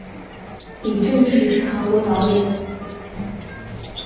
李振石是韩国导演。